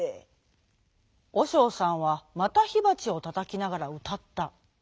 おしょうさんはまたひばちをたたきながらうたった。